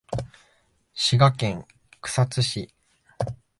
滋賀県草津市